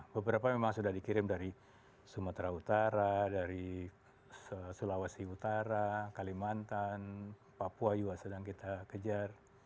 beberapa memang sudah dikirim dari sumatera utara dari sulawesi utara kalimantan papua juga sedang kita kejar